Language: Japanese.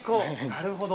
なるほど。